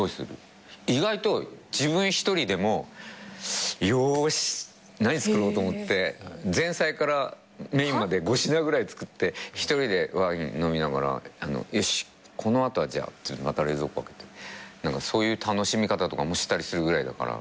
意外と自分一人でも「よし何作ろう」と思って前菜からメインまで５品ぐらい作って１人でワイン飲みながら「よしこの後はじゃあ」ってまた冷蔵庫開けてそういう楽しみ方とかもしたりするぐらいだから。